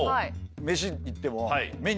飯行っても。